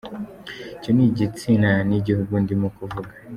Icyo ni igitsina n’igihugu, ndimo kuvuga.